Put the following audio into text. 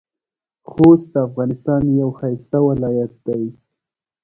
خوست د افغانستان یو ښایسته ولایت دی.